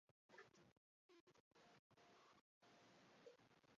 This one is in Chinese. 笏形蕈珊瑚为蕈珊瑚科蕈珊瑚属下的一个种。